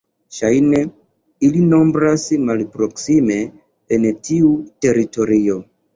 Ŝajne ili nombras malproksime en tiu teritorio.